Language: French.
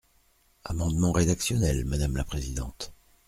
Amendement rédactionnel, madame la présidente.